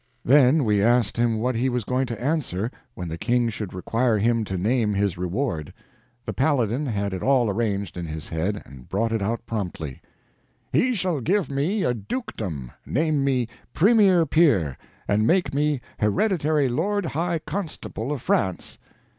Then we asked him what he was going to answer when the King should require him to name his reward. The Paladin had it all arranged in his head, and brought it out promptly: "He shall give me a dukedom, name me premier peer, and make me Hereditary Lord High Constable of France."